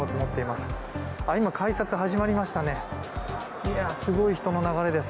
すごい人の流れです。